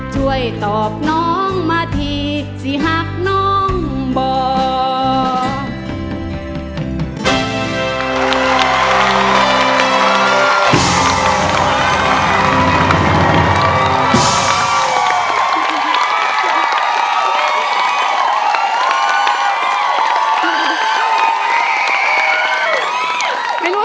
ช่วยตอบน้องมาทีสิหากน้องบอก